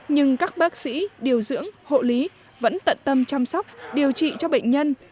nhưng các bác sĩ điều dưỡng hộ lý vẫn tận tâm chăm sóc điều trị cho bệnh nhân